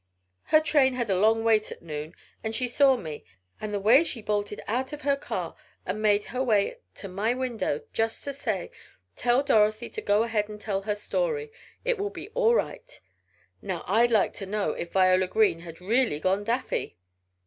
Her train had a long wait at noon and she saw me. And the way she bolted out of her car and made her way to my window, just to say, 'Tell Dorothy to go ahead and tell her story! It will be all right!' Now I'd like to know if Viola Green had really gone daffy?"